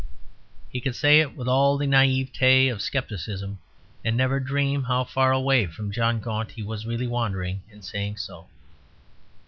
He could say it with all the naïveté of scepticism, and never dream how far away from John of Gaunt he was really wandering in saying so.